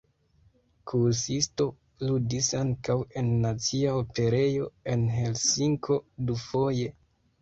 Kuusisto ludis ankaŭ en nacia operejo en Helsinko dufoje.